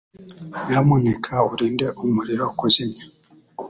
Nyamuneka urinde umuriro kuzimya.